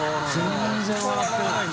全然笑ってない。